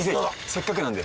せっかくなんで。